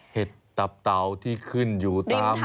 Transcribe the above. เห็ดตับเต่าที่ขึ้นอยู่ตาม